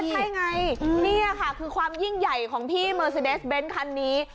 ใช่ไงนี่ค่ะคือความยิ่งใหญ่ของพี่เมอร์ซีเดสเบนท์คันนี้